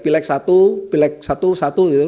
pilek satu pilek satu satu